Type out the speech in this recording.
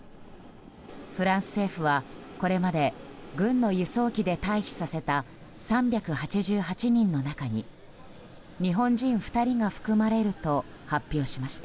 フランス政府はこれまで軍の輸送機で退避させた３８８人の中に日本人２人が含まれると発表しました。